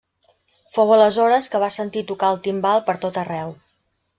Fou aleshores que va sentir tocar el timbal per tot arreu.